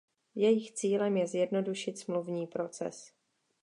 Jejich cílem je zjednodušit smluvní proces.